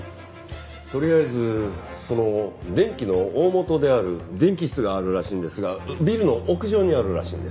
とりあえずその電気の大本である電気室があるらしいんですがビルの屋上にあるらしいんです。